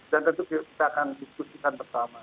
dan tentu kita akan diskusikan bersama